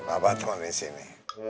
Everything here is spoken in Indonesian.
bapak temenin disini